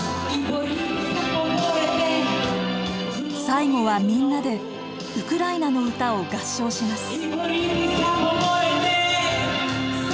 最後はみんなでウクライナの歌を合唱します。